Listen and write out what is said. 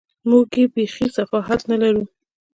موږ بېخي صحافت نه لرو.